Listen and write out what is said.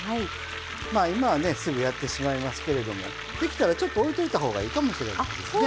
まあ今はねすぐやってしまいますけれどもできたらちょっとおいておいたほうがいいかもしれないですね